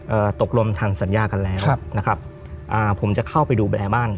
ตกลงทางสัญญากันแล้วครับนะครับอ่าผมจะเข้าไปดูแลบ้าน